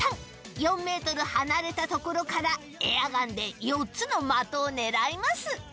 ４ｍ離れた所からエアガンで４つの的を狙います